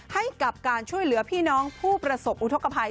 ให้กับการช่วยเหลือพี่น้องผู้ประสบอุทธกภัย